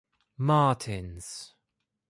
Martins.